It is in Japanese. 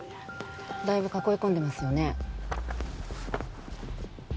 だいぶ囲い込んでますよね